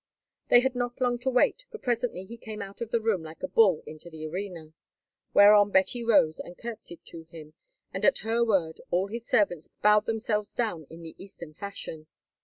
They had not long to wait, for presently he came out of the room like a bull into the arena, whereon Betty rose and curtseyed to him, and at her word all his servants bowed themselves down in the Eastern fashion.